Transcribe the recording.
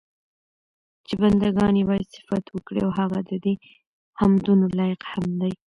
چې بندګان ئي بايد صفت وکړي، او هغه ددي حمدونو لائق هم دی